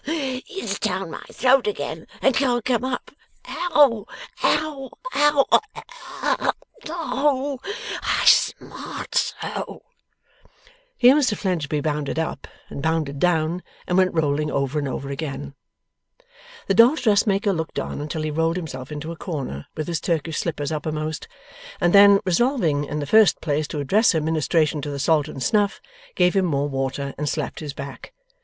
Ugh! It's down my throat again and can't come up. Ow! Ow! Ow! Ah h h h! Oh I smart so!' Here Mr Fledgeby bounded up, and bounded down, and went rolling over and over again. The dolls' dressmaker looked on until he rolled himself into a corner with his Turkish slippers uppermost, and then, resolving in the first place to address her ministration to the salt and snuff, gave him more water and slapped his back.